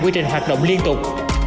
quy trình hoạt động liên tục